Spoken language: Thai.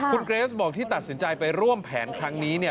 คุณเกรสบอกที่ตัดสินใจไปร่วมแผนครั้งนี้เนี่ย